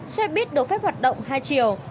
xe buýt đổ phép hoạt động hai chiều